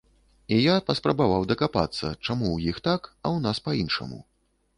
І я паспрабаваў дакапацца, чаму ў іх так, а ў нас па-іншаму.